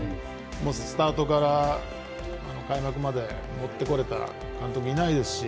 スタートから開幕まで持ってこられた監督はいないですし。